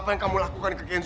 aku malu janas